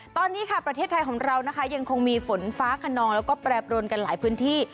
ตอนนี้ค่ะประเทศไทยของเรานะคะยังคงมีฝนฟ้าขนองแล้วก็แปรปรวนกันหลายพื้นที่